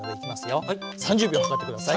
３０秒計って下さい。